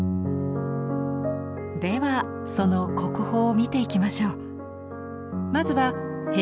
ではその国宝を見ていきましょう。